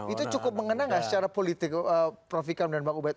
itu cukup mengena gak secara politik prof ika mudan bang ubaid